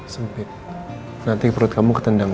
sampai nanti perut kamu ketendang